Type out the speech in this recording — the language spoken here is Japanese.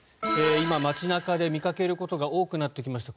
今、街中で見かけることが多くなってきました